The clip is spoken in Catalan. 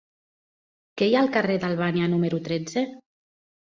Què hi ha al carrer d'Albània número tretze?